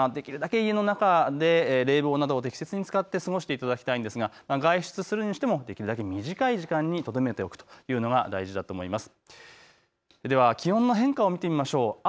できるだけ家の中で冷房などを適切に使って過ごしていただきたいんですが、外出するにしてもできるだけ短い時間にとどめておくというのが大事だと思います。